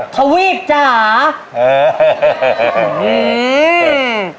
ถวีบจ้าเหรอ